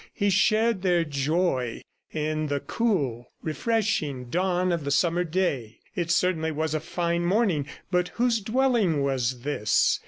He shared their joy in the cool refreshing dawn of the summer day. It certainly was a fine morning but whose dwelling was this?